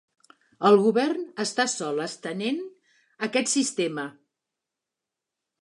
El govern està sol estenent aquest sistema.